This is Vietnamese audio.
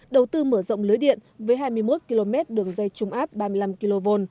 đầu tư mở rộng lưới điện với hai mươi một km đường dây trung áp ba mươi năm kv